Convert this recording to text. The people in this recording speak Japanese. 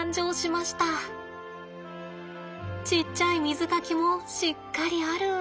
ちっちゃい水かきもしっかりある。